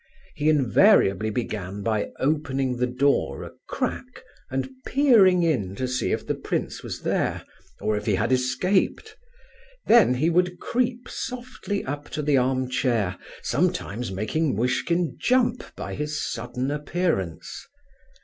He invariably began by opening the door a crack and peering in to see if the prince was there, or if he had escaped; then he would creep softly up to the arm chair, sometimes making Muishkin jump by his sudden appearance.